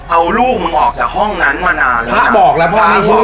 เอาลูกมึงออกจากห้องนั้นมานานพ่อบอกแล้วพ่อไม่เชื่อ